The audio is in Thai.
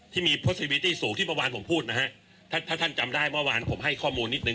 ที่มีโพสต์สวีตี้สูงที่เมื่อวานผมพูดนะฮะถ้าถ้าท่านจำได้เมื่อวานผมให้ข้อมูลนิดนึ